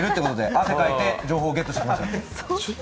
汗かいて情報をゲットしました。